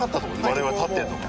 我々立ってるのが。